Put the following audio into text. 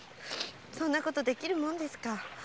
そんなことできるもんですか。